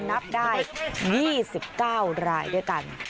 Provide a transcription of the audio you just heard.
นับได้๒๙รายด้วยกัน